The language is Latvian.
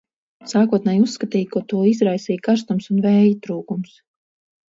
Sākotnēji uzskatīja, ka to izraisīja karstums un vēja trūkums.